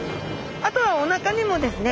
あとはおなかにもですね